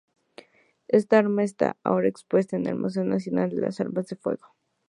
Esta arma está ahora expuesta en el Museo Nacional de las Armas de Fuego.